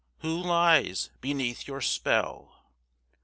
Who lies beneath your spell?